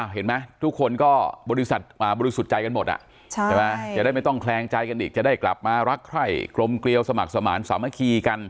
เห็นไหมทุกคนก็บริสุทธิ์ใจกันหมดจะได้ไม่ต้องแคลงใจกันอีกจะได้กลับมารักใคร่กลมเกลียวสมัครสมาธิสามัคคีกัน